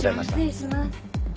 失礼します。